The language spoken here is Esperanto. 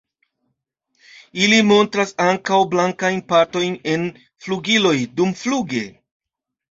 Ili montras ankaŭ blankajn partojn en flugiloj dumfluge.